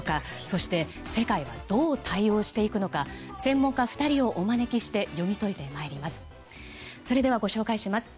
そして、世界はどう対応していくのか専門家２人をお招きして読み解いてまいります。